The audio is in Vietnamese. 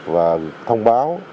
và thông báo